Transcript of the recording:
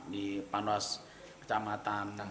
di panuas kecamatan